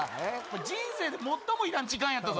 人生で最もいらん時間やったぞ。